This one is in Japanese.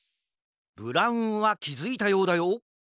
ブラウンはきづいたようだよ。